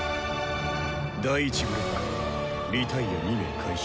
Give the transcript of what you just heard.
第１ブロックリタイア２名回収。